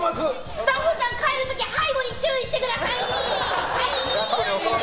スタッフさん、帰る時背後に注意してください！